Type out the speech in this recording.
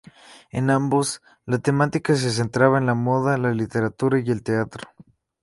En ambos, la temática se centraba en la moda, la literatura y el teatro.